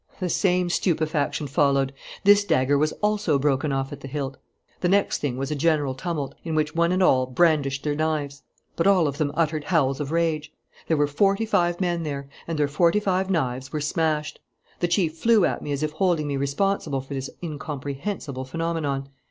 "The same stupefaction followed: this dagger was also broken off at the hilt. The next thing was a general tumult, in which one and all brandished their knives. But all of them uttered howls of rage. "There were forty five men there; and their forty five knives were smashed.... The chief flew at me as if holding me responsible for this incomprehensible phenomenon.